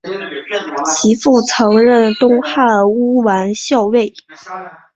其父曾任东汉乌丸校尉。